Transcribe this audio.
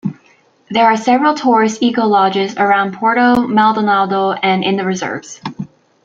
There are several tourist eco-lodges around Puerto Maldonado and in the reserves.